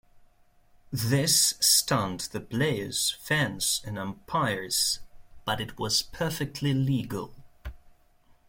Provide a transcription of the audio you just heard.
This stunned the players, fans and umpires, but it was perfectly legal.